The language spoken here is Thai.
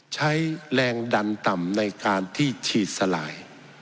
ใช้แรงดันต่ำในการที่ฉีดสลาย